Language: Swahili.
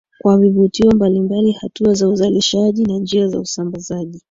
kwa vituo mbali mbali hatua za uzalishaji na njia za usambazaji